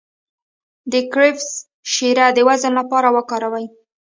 د کرفس شیره د وزن لپاره وکاروئ